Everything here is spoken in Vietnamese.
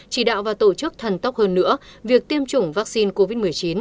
chỉ đạo và tổ chức thần tốc hơn nữa việc tiêm chủng vắc xin covid một mươi chín